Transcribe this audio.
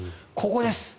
ここです。